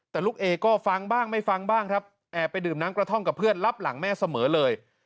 แต่ลูกเอก็ฟังบ้างไม่ฟังบ้างครับแอบไปดื่มน้ำกระท่อมกับเพื่อนรับหลังแม่เสมอเลย